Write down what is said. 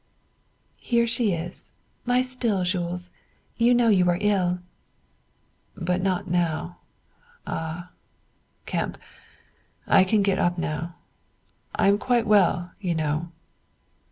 "Here she is; lie still, Jules; you know you are ill." "But not now. Ah, Kemp, I can get up now; I am quite well, you know."